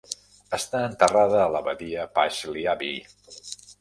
Està enterrada a l'abadia Paisley Abbey.